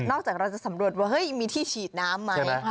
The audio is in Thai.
จากเราจะสำรวจว่าเฮ้ยมีที่ฉีดน้ำไหม